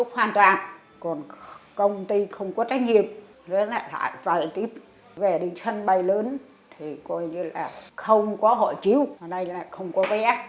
hôm nay là không có vé